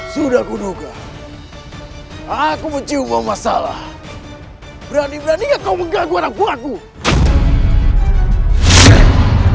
sudah kuduga aku mencium mau masalah berani berani kau mengganggu anak buah